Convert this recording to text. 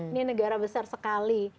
ini negara besar sekali